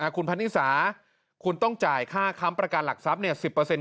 คุณพนิสาคุณต้องจ่ายค่าค้ำประกันหลักทรัพย์๑๐